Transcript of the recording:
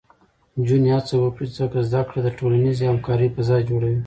نجونې هڅه وکړي، ځکه زده کړه د ټولنیزې همکارۍ فضا جوړوي.